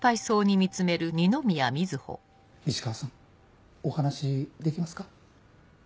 石川さんお話しできますか？